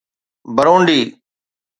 Burundi